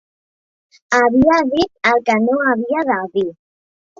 Havia dit el que no havia de dir.